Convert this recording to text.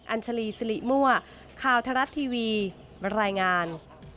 อันชลีสิริมั่วค่าวทรัศน์ทีวีบรรยายงาน